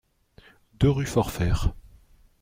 deux rue Forfert